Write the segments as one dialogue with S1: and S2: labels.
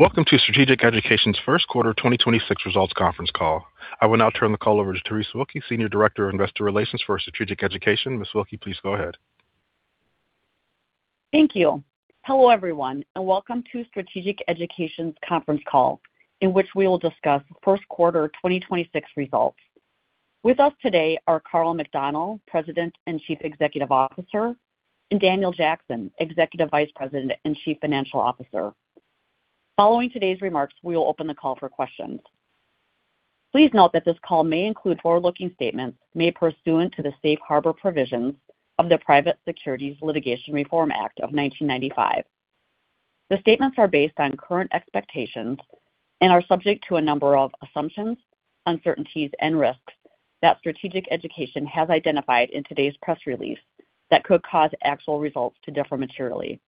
S1: Welcome to Strategic Education's first quarter 2026 results conference call. I will now turn the call over to Terese Wilke, Senior Director of Investor Relations for Strategic Education. Ms. Wilke, please go ahead.
S2: Thank you. Hello, everyone, and welcome to Strategic Education's conference call, in which we will discuss first quarter 2026 results. With us today are Karl McDonnell, President and Chief Executive Officer, and Daniel Jackson, Executive Vice President and Chief Financial Officer. Following today's remarks, we will open the call for questions. Please note that this call may include forward-looking statements made pursuant to the Safe Harbor provisions of the Private Securities Litigation Reform Act of 1995. The statements are based on current expectations and are subject to a number of assumptions, uncertainties, and risks that Strategic Education has identified in today's press release that could cause actual results to differ materially.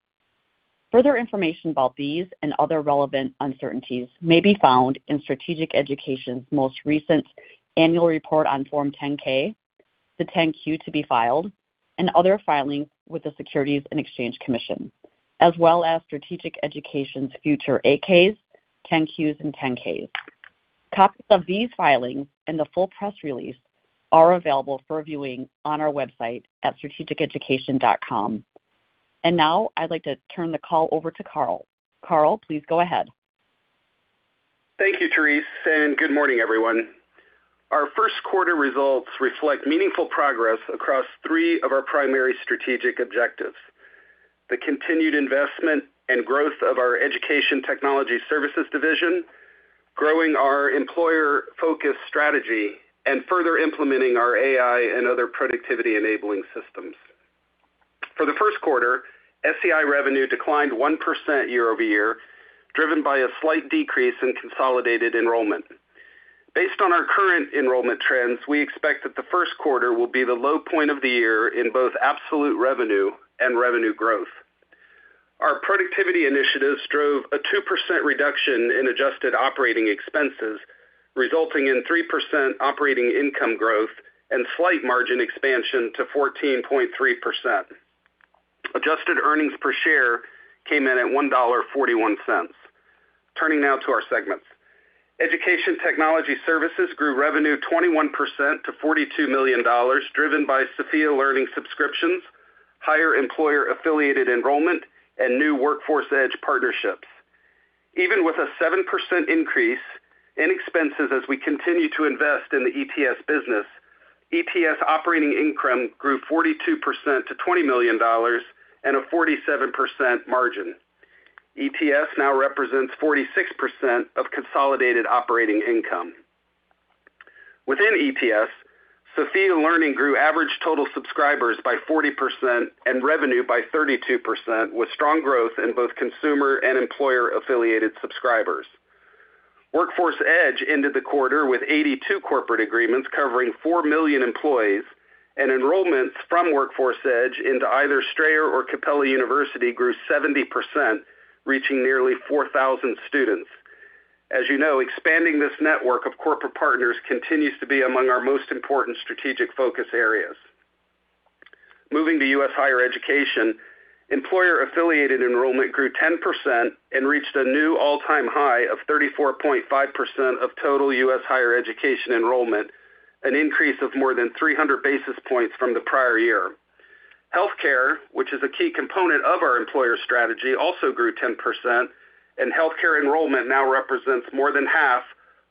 S2: Further information about these and other relevant uncertainties may be found in Strategic Education's most recent annual report on Form 10-K, the 10-Q to be filed, and other filings with the Securities and Exchange Commission, as well as Strategic Education's future 8-Ks, 10-Qs, and 10-Ks. Copies of these filings and the full press release are available for viewing on our website at strategiceducation.com. Now I'd like to turn the call over to Karl. Karl, please go ahead.
S3: Thank you, Terese, and good morning, everyone. Our first quarter results reflect meaningful progress across three of our primary strategic objectives, the continued investment and growth of our Education Technology Services division, growing our employer-focused strategy, and further implementing our AI and other productivity-enabling systems. For the first quarter, SEI revenue declined 1% year-over-year, driven by a slight decrease in consolidated enrollment. Based on our current enrollment trends, we expect that the first quarter will be the low point of the year in both absolute revenue and revenue growth. Our productivity initiatives drove a 2% reduction in adjusted operating expenses, resulting in 3% operating income growth and slight margin expansion to 14.3%. Adjusted earnings per share came in at $1.41. Turning now to our segments. Education Technology Services grew revenue 21% to $42 million, driven by Sophia Learning subscriptions, higher employer-affiliated enrollment, and new Workforce Edge partnerships. Even with a 7% increase in expenses as we continue to invest in the ETS business, ETS operating income grew 42% to $20 million and a 47% margin. ETS now represents 46% of consolidated operating income. Within ETS, Sophia Learning grew average total subscribers by 40% and revenue by 32%, with strong growth in both consumer and employer-affiliated subscribers. Workforce Edge ended the quarter with 82 corporate agreements covering 4 million employees, and enrollments from Workforce Edge into either Strayer or Capella University grew 70%, reaching nearly 4,000 students. As you know, expanding this network of corporate partners continues to be among our most important strategic focus areas. Moving to U.S. Higher Education, employer-affiliated enrollment grew 10% and reached a new all-time high of 34.5% of total U.S. Higher Education enrollment, an increase of more than 300 basis points from the prior year. Healthcare, which is a key component of our employer strategy, also grew 10%, and healthcare enrollment now represents more than half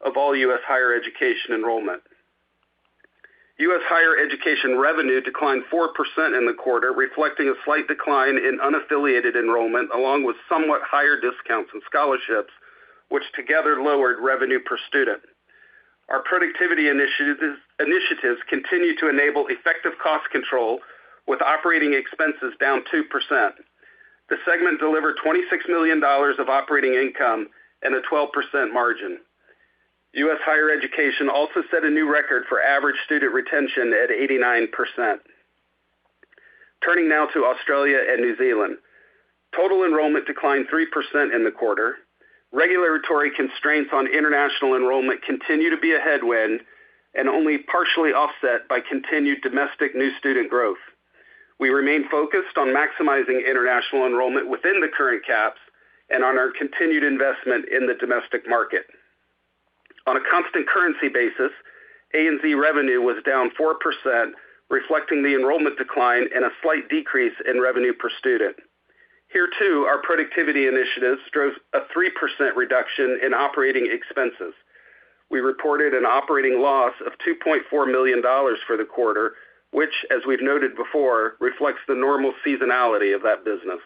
S3: of all U.S. Higher Education enrollment. U.S. Higher Education revenue declined 4% in the quarter, reflecting a slight decline in unaffiliated enrollment, along with somewhat higher discounts and scholarships, which together lowered revenue per student. Our productivity initiatives continue to enable effective cost control, with operating expenses down 2%. The segment delivered $26 million of operating income and a 12% margin. U.S. Higher Education also set a new record for average student retention at 89%. Turning now to Australia and New Zealand. Total enrollment declined 3% in the quarter. Regulatory constraints on international enrollment continue to be a headwind and only partially offset by continued domestic new student growth. We remain focused on maximizing international enrollment within the current caps and on our continued investment in the domestic market. On a constant currency basis, ANZ revenue was down 4%, reflecting the enrollment decline and a slight decrease in revenue per student. Here, too, our productivity initiatives drove a 3% reduction in operating expenses. We reported an operating loss of $2.4 million for the quarter, which, as we've noted before, reflects the normal seasonality of that business.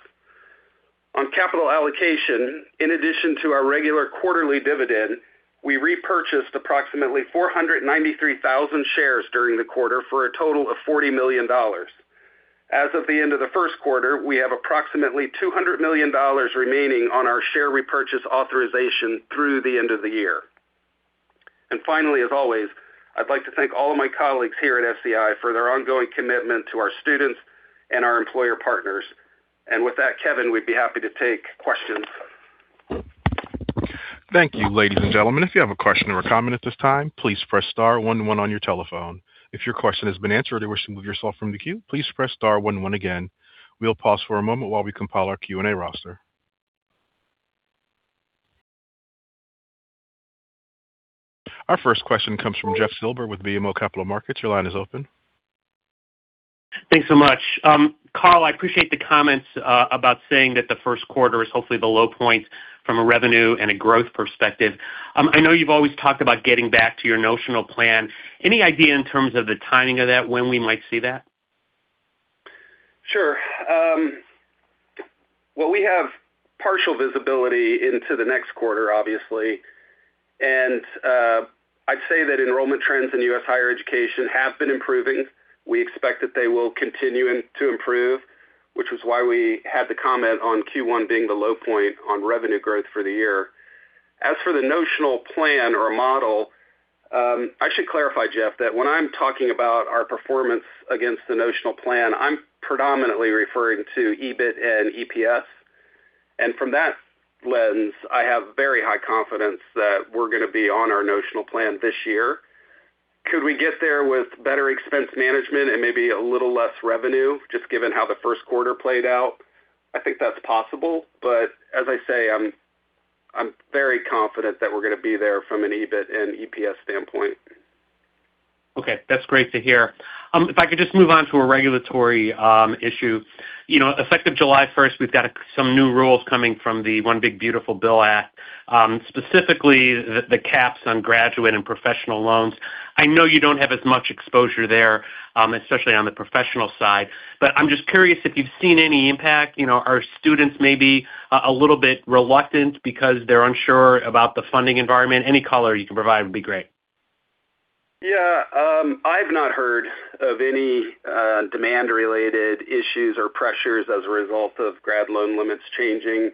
S3: On capital allocation, in addition to our regular quarterly dividend, we repurchased approximately 493,000 shares during the quarter for a total of $40 million. As of the end of the first quarter, we have approximately $200 million remaining on our share repurchase authorization through the end of the year. Finally, as always, I'd like to thank all of my colleagues here at SEI for their ongoing commitment to our students and our employer partners. With that, Kevin, we'd be happy to take questions.
S1: Thank you. Ladies and gentlemen, if you have a question or a comment at this time, please press star one one on your telephone. If your question has been answered or you wish to remove yourself from the queue, please press star one one again. We'll pause for a moment while we compile our Q&A roster. Our first question comes from Jeff Silber with BMO Capital Markets. Your line is open.
S4: Thanks so much. Karl, I appreciate the comments about saying that the first quarter is hopefully the low point from a revenue and a growth perspective. I know you've always talked about getting back to your notional plan. Any idea in terms of the timing of that, when we might see that?
S3: Sure. Well, we have partial visibility into the next quarter, obviously. I'd say that enrollment trends in U.S. Higher Education have been improving. We expect that they will continue to improve, which was why we had the comment on Q1 being the low point on revenue growth for the year. As for the notional plan or model, I should clarify, Jeff, that when I'm talking about our performance against the notional plan, I'm predominantly referring to EBIT and EPS. From that lens, I have very high confidence that we're going to be on our notional plan this year. Could we get there with better expense management and maybe a little less revenue, just given how the first quarter played out? I think that's possible. As I say, I'm very confident that we're going to be there from an EBIT and EPS standpoint.
S4: Okay, that's great to hear. If I could just move on to a regulatory issue. Effective July 1st, we've got some new rules coming from the One Big Beautiful Bill Act, specifically the caps on graduate and professional loans. I know you don't have as much exposure there, especially on the professional side. I'm just curious if you've seen any impact. Are students maybe a little bit reluctant because they're unsure about the funding environment? Any color you can provide would be great.
S3: Yeah. I've not heard of any demand-related issues or pressures as a result of grad loan limits changing.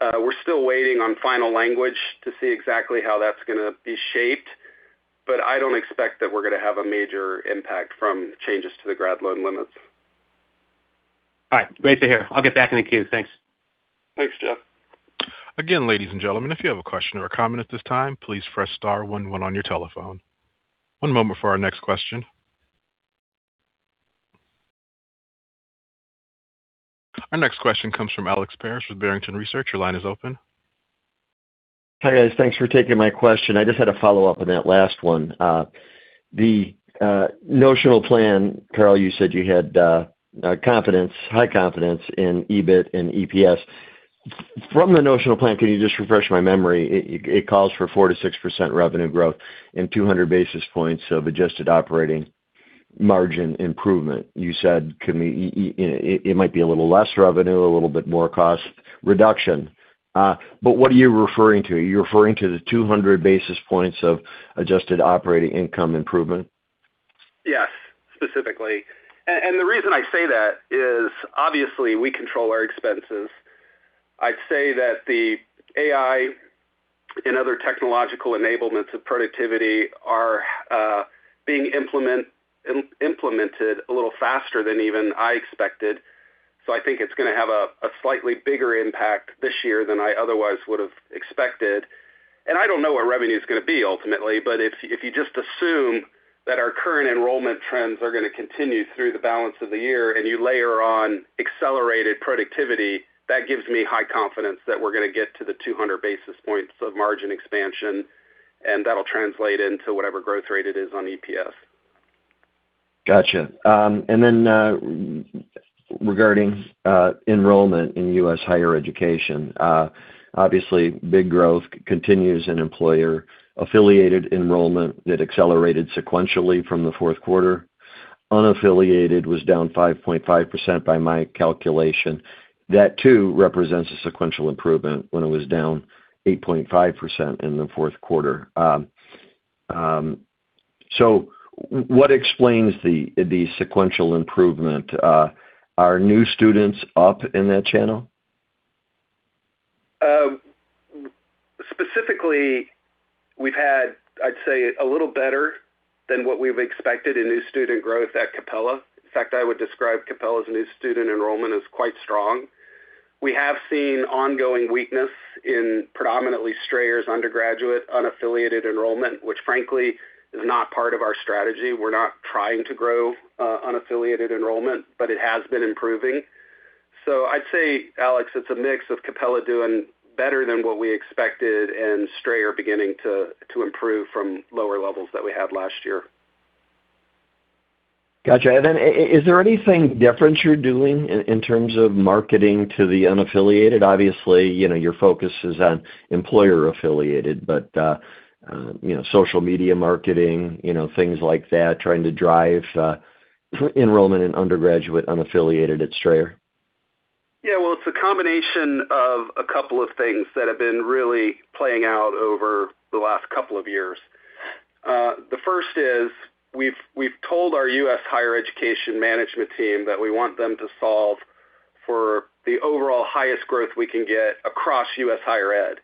S3: We're still waiting on final language to see exactly how that's going to be shaped, but I don't expect that we're going to have a major impact from changes to the grad loan limits.
S4: All right. Great to hear. I'll get back in the queue. Thanks.
S3: Thanks, Jeff.
S1: Again, ladies and gentlemen, if you have a question or a comment at this time, please press star one one on your telephone. One moment for our next question. Our next question comes from Alex Paris with Barrington Research. Your line is open.
S5: Hi, guys. Thanks for taking my question. I just had a follow-up on that last one. The notional plan, Karl, you said you had high confidence in EBIT and EPS. From the notional plan, can you just refresh my memory? It calls for 4%-6% revenue growth and 200 basis points of adjusted operating margin improvement. You said it might be a little less revenue, a little bit more cost reduction. What are you referring to? Are you referring to the 200 basis points of adjusted operating income improvement?
S3: Yes, specifically. The reason I say that is, obviously, we control our expenses. I'd say that the AI and other technological enablements of productivity are being implemented a little faster than even I expected. I think it's going to have a slightly bigger impact this year than I otherwise would have expected. I don't know where revenue is going to be ultimately, but if you just assume that our current enrollment trends are going to continue through the balance of the year, and you layer on accelerated productivity, that gives me high confidence that we're going to get to the 200 basis points of margin expansion, and that'll translate into whatever growth rate it is on EPS.
S5: Got you. Regarding enrollment in U.S. Higher Education. Obviously, big growth continues in employer-affiliated enrollment that accelerated sequentially from the fourth quarter. Unaffiliated was down 5.5% by my calculation. That, too, represents a sequential improvement when it was down 8.5% in the fourth quarter. What explains the sequential improvement? Are new students up in that channel?
S3: Specifically, we've had, I'd say, a little better than what we've expected in new student growth at Capella. In fact, I would describe Capella's new student enrollment as quite strong. We have seen ongoing weakness in predominantly Strayer's undergraduate unaffiliated enrollment, which frankly is not part of our strategy. We're not trying to grow unaffiliated enrollment, but it has been improving. I'd say, Alex, it's a mix of Capella doing better than what we expected and Strayer beginning to improve from lower levels that we had last year.
S5: Got you. Is there anything different you're doing in terms of marketing to the unaffiliated? Obviously, your focus is on employer-affiliated. Social media marketing, things like that, trying to drive enrollment in undergraduate unaffiliated at Strayer.
S3: Yeah. Well, it's a combination of a couple of things that have been really playing out over the last couple of years. The first is we've told our U.S. Higher Education management team that we want them to solve for the overall highest growth we can get across U.S. Higher Ed.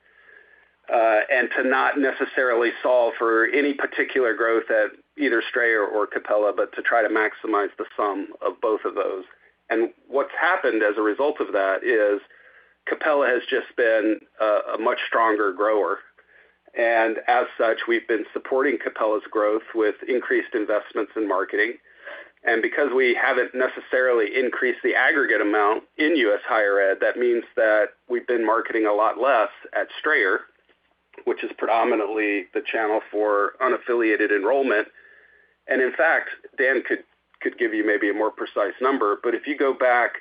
S3: To not necessarily solve for any particular growth at either Strayer or Capella, but to try to maximize the sum of both of those. What's happened as a result of that is Capella has just been a much stronger grower. As such, we've been supporting Capella's growth with increased investments in marketing. Because we haven't necessarily increased the aggregate amount in U.S. Higher Ed, that means that we've been marketing a lot less at Strayer, which is predominantly the channel for unaffiliated enrollment. In fact, Dan could give you maybe a more precise number, but if you go back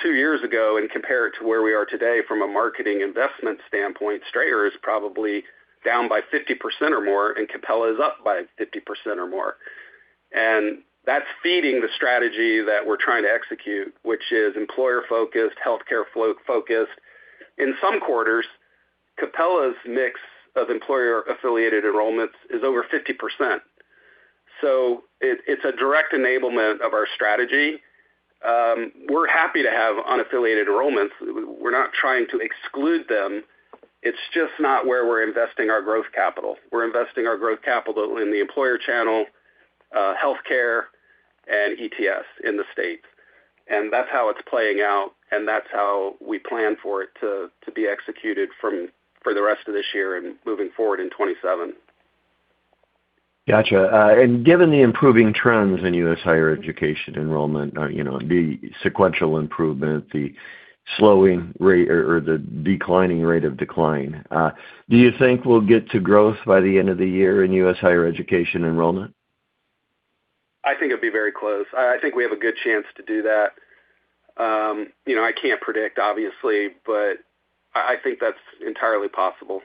S3: two years ago and compare it to where we are today from a marketing investment standpoint, Strayer is probably down by 50% or more, and Capella is up by 50% or more. That's feeding the strategy that we're trying to execute, which is employer-focused, healthcare focused. In some quarters, Capella's mix of employer-affiliated enrollments is over 50%. It's a direct enablement of our strategy. We're happy to have unaffiliated enrollments. We're not trying to exclude them. It's just not where we're investing our growth capital. We're investing our growth capital in the employer channel, healthcare, and ETS in the States. That's how it's playing out, and that's how we plan for it to be executed for the rest of this year and moving forward in 2027.
S5: Got you. Given the improving trends in U.S. Higher Education enrollment, the sequential improvement, the slowing rate or the declining rate of decline, do you think we'll get to growth by the end of the year in U.S. Higher Education enrollment?
S3: I think it'll be very close. I think we have a good chance to do that. I can't predict, obviously, but I think that's entirely possible.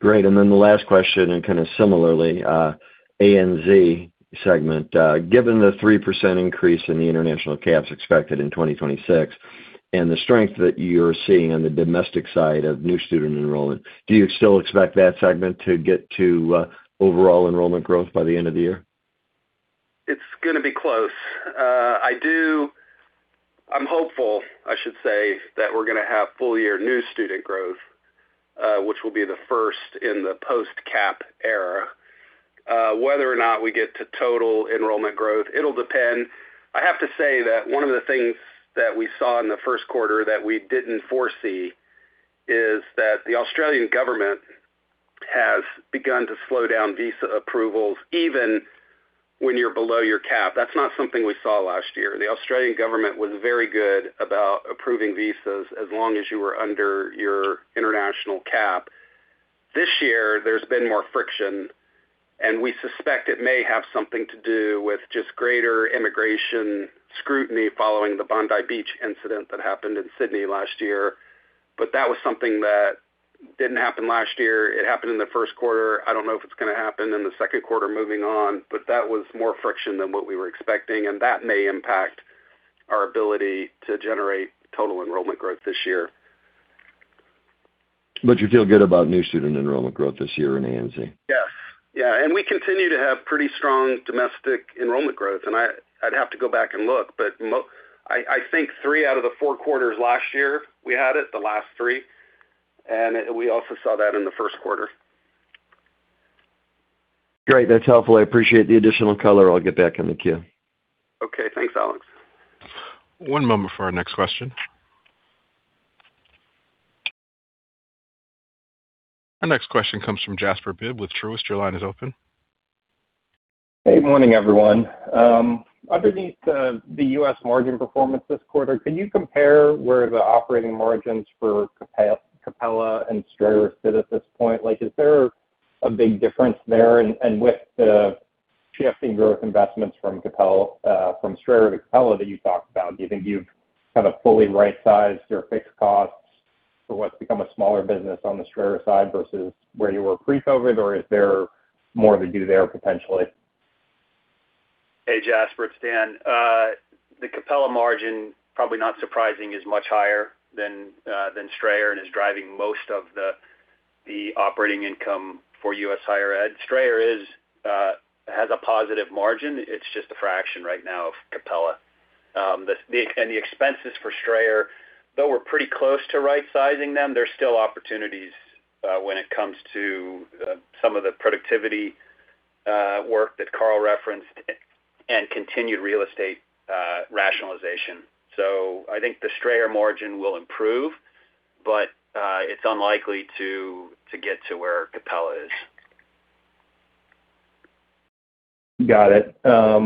S5: Great. The last question, and kind of similarly, ANZ segment. Given the 3% increase in the international caps expected in 2026 and the strength that you're seeing on the domestic side of new student enrollment, do you still expect that segment to get to overall enrollment growth by the end of the year?
S3: It's going to be close. I'm hopeful, I should say, that we're going to have full-year new student growth, which will be the first in the post-cap era. Whether or not we get to total enrollment growth, it'll depend. I have to say that one of the things that we saw in the first quarter that we didn't foresee is that the Australian government has begun to slow down visa approvals, even when you're below your cap. That's not something we saw last year. The Australian government was very good about approving visas as long as you were under your international cap. This year, there's been more friction, and we suspect it may have something to do with just greater immigration scrutiny following the Bondi Beach incident that happened in Sydney last year. That was something that didn't happen last year. It happened in the first quarter. I don't know if it's going to happen in the second quarter moving on. That was more friction than what we were expecting, and that may impact our ability to generate total enrollment growth this year.
S5: You feel good about new student enrollment growth this year in ANZ?
S3: Yes. We continue to have pretty strong domestic enrollment growth. I'd have to go back and look, but I think three out of the four quarters last year, we had it, the last three. We also saw that in the first quarter.
S5: Great. That's helpful. I appreciate the additional color. I'll get back in the queue.
S3: Okay. Thanks, Alex.
S1: One moment for our next question. Our next question comes from Jasper Bibb with Truist. Your line is open.
S6: Hey, morning, everyone. Underneath the U.S. margin performance this quarter, can you compare where the operating margins for Capella and Strayer sit at this point? Is there a big difference there? With the shifting growth investments from Strayer to Capella that you talked about, do you think you've fully right-sized your fixed costs for what's become a smaller business on the Strayer side versus where you were pre-COVID, or is there more to do there potentially?
S7: Hey, Jasper, it's Dan. The Capella margin, probably not surprising, is much higher than Strayer and is driving most of the operating income for U.S. Higher Ed. Strayer has a positive margin. It's just a fraction right now of Capella. The expenses for Strayer, though we're pretty close to right-sizing them, there's still opportunities when it comes to some of the productivity work that Karl referenced and continued real estate rationalization. I think the Strayer margin will improve, but it's unlikely to get to where Capella is.
S6: Got it. A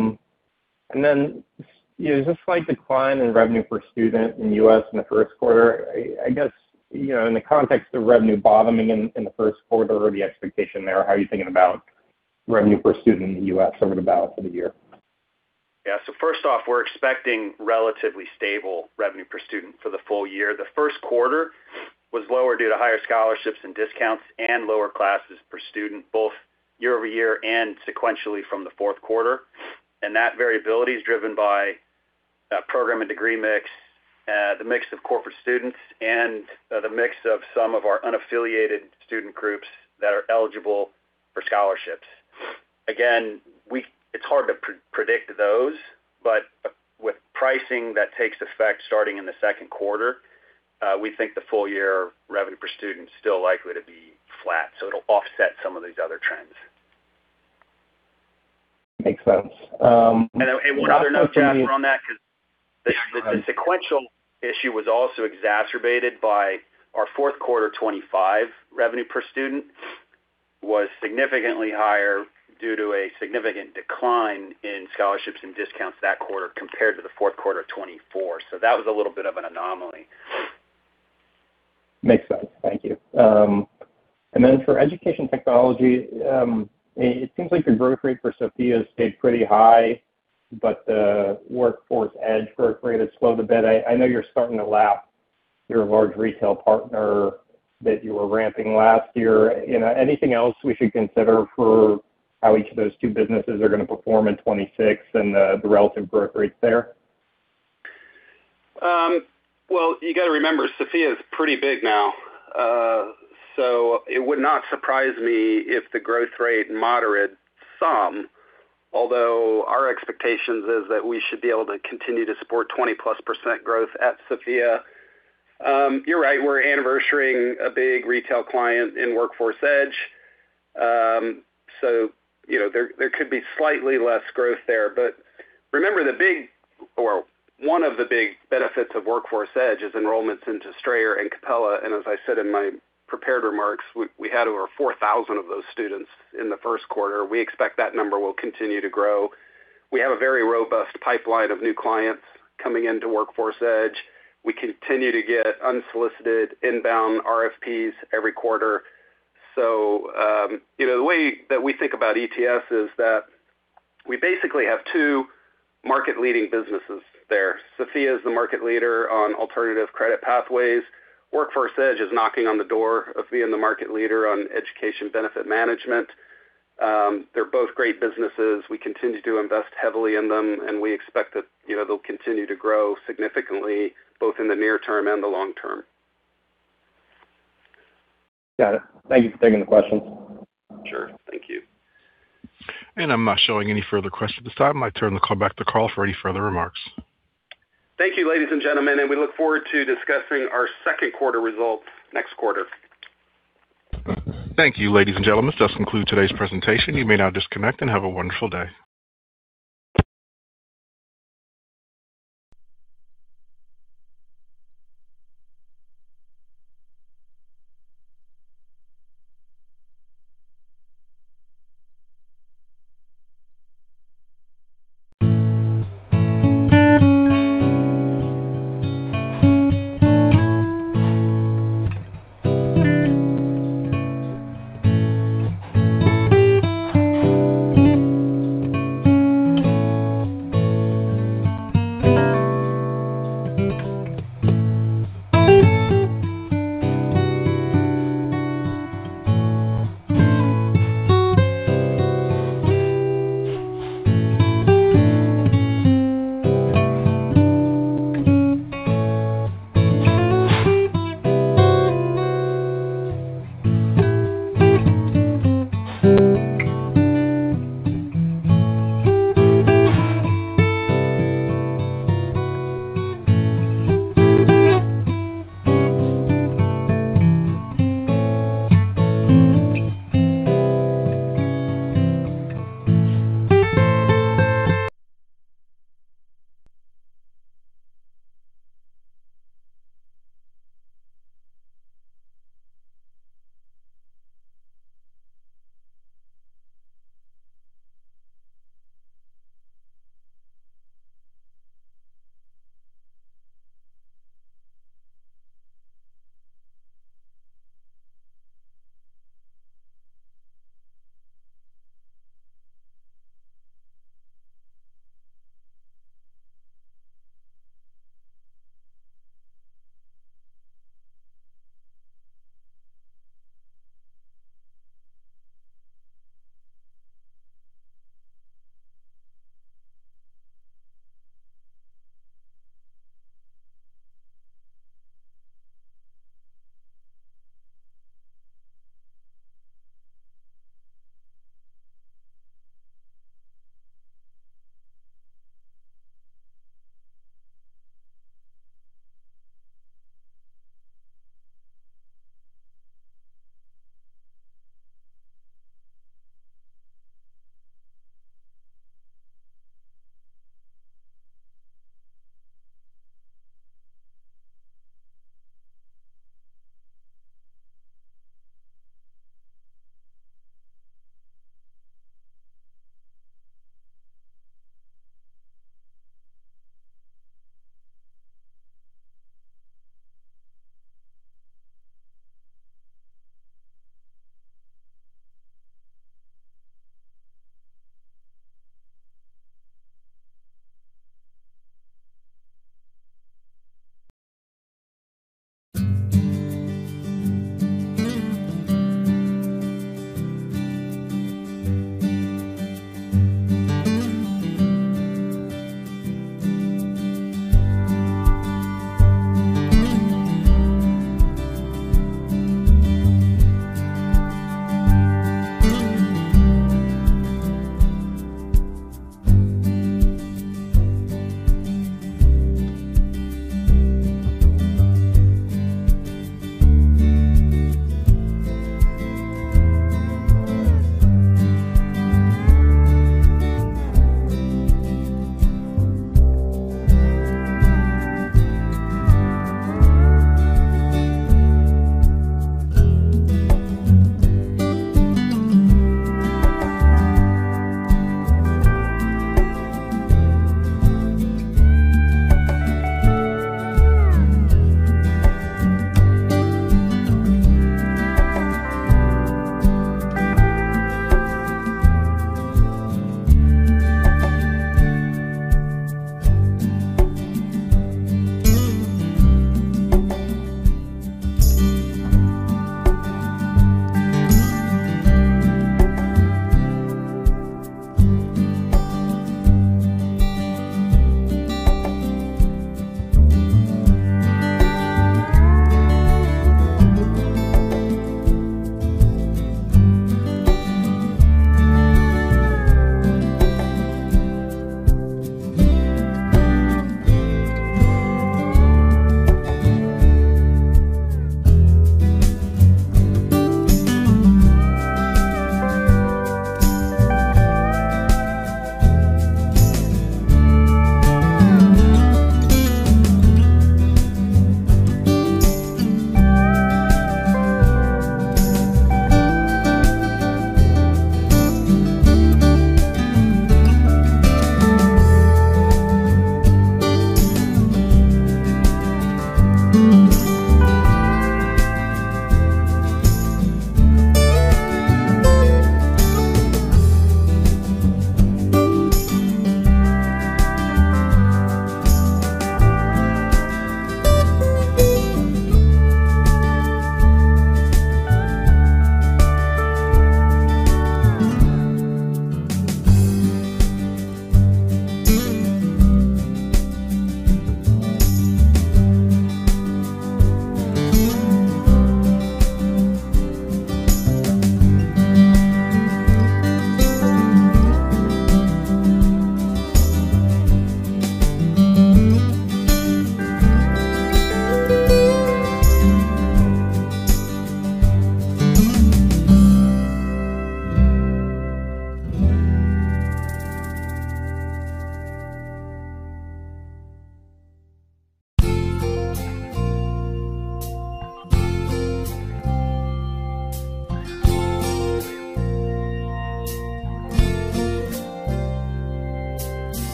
S6: slight decline in revenue per student in the U.S. in the first quarter. I guess, in the context of revenue bottoming in the first quarter or the expectation there, how are you thinking about revenue per student in the U.S. over the balance of the year?
S7: Yeah. First off, we're expecting relatively stable revenue per student for the full year. The first quarter was lower due to higher scholarships and discounts and lower classes per student, both year over year and sequentially from the fourth quarter. That variability is driven by program and degree mix, the mix of corporate students, and the mix of some of our unaffiliated student groups that are eligible for scholarships. Again, it's hard to predict those, but with pricing that takes effect starting in the second quarter, we think the full-year revenue per student is still likely to be flat. It'll offset some of these other trends.
S6: Makes sense.
S3: One other note, Jasper, on that, because the sequential issue was also exacerbated by our fourth quarter 2025 revenue per student was significantly higher due to a significant decline in scholarships and discounts that quarter compared to the fourth quarter of 2024. That was a little bit of an anomaly.
S6: Makes sense. Thank you. For education technology, it seems like the growth rate for Sophia stayed pretty high, but the Workforce Edge growth rate has slowed a bit. I know you're starting to lap your large retail partner that you were ramping last year. Anything else we should consider for how each of those two businesses are going to perform in 2026 and the relative growth rates there?
S3: Well, you got to remember, Sophia is pretty big now. It would not surprise me if the growth rate moderated some, although our expectations is that we should be able to continue to support 20%+ growth at Sophia. You're right. We're anniversarying a big retail client in Workforce Edge. There could be slightly less growth there. Remember, one of the big benefits of Workforce Edge is enrollments into Strayer and Capella. As I said in my prepared remarks, we had over 4,000 of those students in the first quarter. We expect that number will continue to grow. We have a very robust pipeline of new clients coming into Workforce Edge. We continue to get unsolicited inbound RFPs every quarter. The way that we think about ETS is that we basically have two market-leading businesses there. Sophia is the market leader on alternative credit pathways. Workforce Edge is knocking on the door of being the market leader on education benefits management. They're both great businesses. We continue to invest heavily in them, and we expect that they'll continue to grow significantly, both in the near term and the long term.
S6: Got it. Thank you for taking the question.
S3: Sure. Thank you.
S1: I'm not showing any further questions at this time. I turn the call back to Karl for any further remarks.
S3: Thank you, ladies and gentlemen, and we look forward to discussing our second quarter results next quarter.
S1: Thank you, ladies and gentlemen. This concludes today's presentation. You may now disconnect and have a wonderful day.